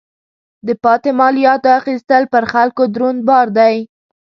د پاتې مالیاتو اخیستل پر خلکو دروند بار دی.